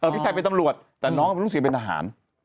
พี่ชายเป็นตำรวจแต่น้องเขาเป็นตำรวจที่เป็นทหาร